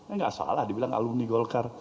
nggak salah dibilang alumni golkar